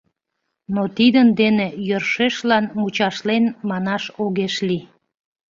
Но тидын дене йӧршешлан мучашлен, манаш огеш лий.